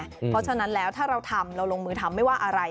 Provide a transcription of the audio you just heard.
เพราะฉะนั้นแล้วถ้าเราทำเราลงมือทำไม่ว่าอะไร